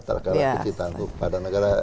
tergantung kecintaanku pada negara